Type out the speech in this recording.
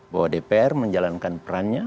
bahwa dpr menjalankan perannya